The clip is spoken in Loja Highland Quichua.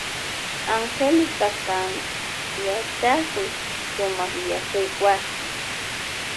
Angélica kan yachakuy sumak yachaywasi.